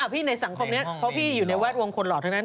ในสังคมนี้เพราะพี่อยู่ในแวดวงคนหล่อทั้งนั้น